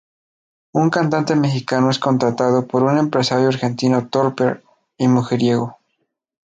Un cantante mexicano es contratado por un empresario argentino torpe y mujeriego.